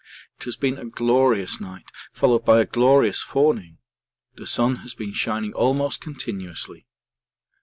It has been a glorious night followed by a glorious forenoon; the sun has been shining almost continuously.